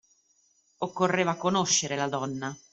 Occorreva conoscere la donna.